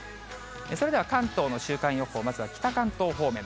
それでは、関東の週間予報、まずは北関東方面。